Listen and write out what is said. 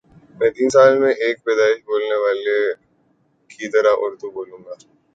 میں تین سال میں ایک پیدائشی بولنے والے کی طرح اردو بولوں گا